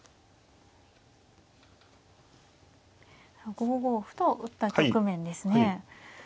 ５五歩と打った局面ですね。